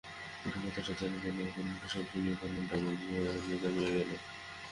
পটুও কথাটা জানিত না, অপুর মুখে সব শুনিয়া তাহার মনটা বেজায় দমিয়া গেল।